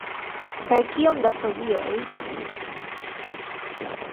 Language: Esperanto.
Kaj kiom da folioj?